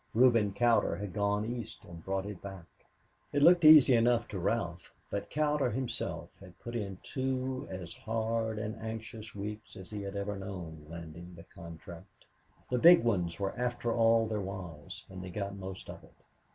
Reuben Cowder had gone East and brought it back. It looked easy enough to Ralph, but Cowder himself had put in two as hard and anxious weeks as he had ever known, landing the contract. The "big ones" were after all there was and they got most of it.